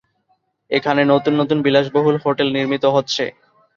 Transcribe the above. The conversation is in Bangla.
এখানে নতুন নতুন বিলাস-বহুল হোটেল নির্মিত হচ্ছে।